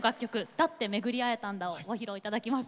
「だってめぐり逢えたんだ」をご披露いただきます。